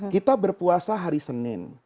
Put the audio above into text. kita berpuasa hari senin